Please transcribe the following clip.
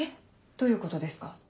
どういうことですか？